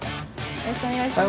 よろしくお願いします。